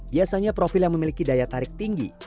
biasanya profil yang memiliki daya tarik tinggi